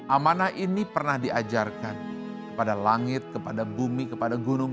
amanah ini pernah diajarkan kepada langit kepada bumi kepada gunung